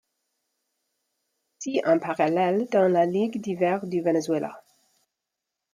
Il joue aussi en parallèle dans la Ligue d'hiver du Venezuela.